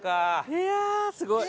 いやすごい。